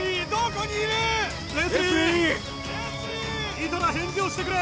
・いたら返事をしてくれ・